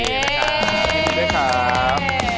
เป็นทุกคนด้วยครับ